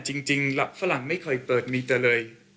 จริงฝรั่งไม่เคยเปิดมีตรเลย